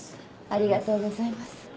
ありがとうございます。